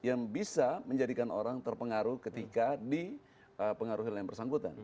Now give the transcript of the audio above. yang bisa menjadikan orang terpengaruh ketika dipengaruhi oleh yang bersangkutan